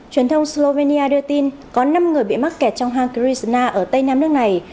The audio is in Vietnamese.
truyền thông slovenia đưa tin có năm người bị mắc kẹt trong hang krizna ở tây nam nước này